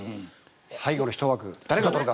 最後の１枠誰が来るか。